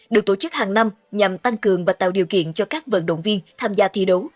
được tổ chức hàng năm nhằm tăng cường và tạo điều kiện cho các vận động viên tham gia thi đấu